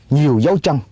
nhiều dấu chân